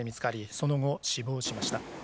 その後、死亡しました。